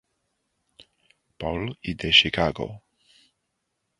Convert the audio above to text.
Paul y de Chicago.